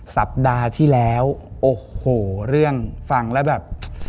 สัปดาห์ที่แล้วโอ้โหเรื่องฟังแล้วแบบ